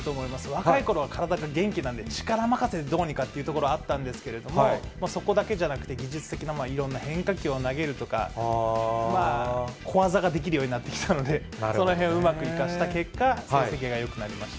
若いころは、体が元気なんで、力任せでどうにかっていうところがあったんですけれども、そこだけじゃなくて、技術的ないろんな変化球を投げるとか、まあ、小技ができるようになってきたので、そのへんをうまく生かした結果、成績がよくなりました。